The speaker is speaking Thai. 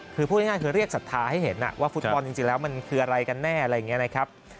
คือพูดง่ายคือเรียกศรัทธาให้เห็นว่าฟุตบอลจริงแล้วมันคืออะไรกันแน่อะไรอย่างนี้นะครับ